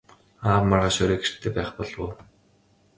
Аав маргааш орой гэртээ байх болов уу?